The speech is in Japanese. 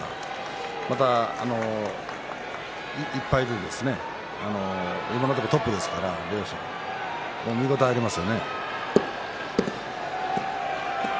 また１敗で今のところトップですから両者見応えありますよね。